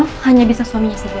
maaf hanya bisa suaminya sendiri